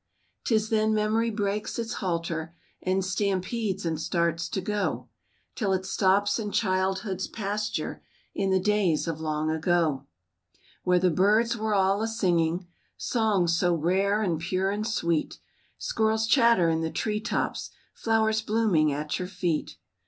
'Tis then memory breaks its halter And stampedes and starts to go, Till it stops in childhood's pasture In the days of long ago; Where the birds were all a singing, Songs so rare and pure and sweet, Squirrel's chatter in the tree tops,— Flowers blooming at your feet.